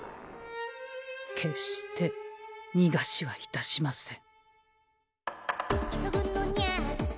決してにがしはいたしません。